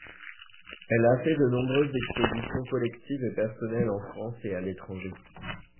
Elle a fait de nombreuses expositions collectives et personnelles en France et à l'étranger.